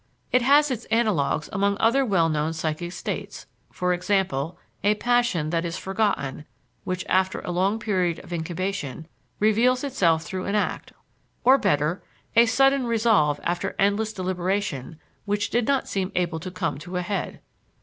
It has its analogues among other well known psychic states; for example, a passion that is forgotten, which, after a long period of incubation, reveals itself through an act; or, better, a sudden resolve after endless deliberation which did not seem able to come to a head.